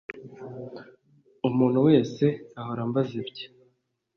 Umuntu wese ahora ambaza ibyo